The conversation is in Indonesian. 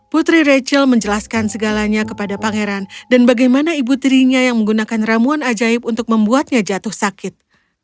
putri rachel menjelaskan segalanya kepada pangeran dan bagaimana ibu tirinya yang menggunakan ramuan ajaib untuk membuatnya jatuh sakit